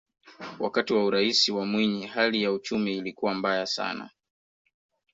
wakati wa uraisi wa mwinyi hali ya uchumi ilikuwa mbaya sana